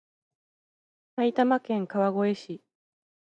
埼玉県川越市